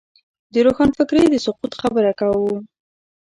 د روښانفکرۍ د سقوط خبره کوو.